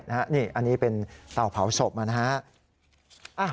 นี่อันนี้เป็นเต่าเผาศพนะครับ